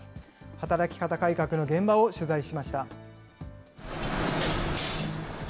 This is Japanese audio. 働き方改革の現場を取材しました。